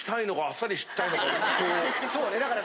そうだねだから。